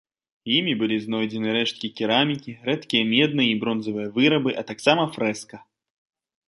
Імі былі знойдзены рэшткі керамікі, рэдкія медныя і бронзавыя вырабы, а таксама фрэска.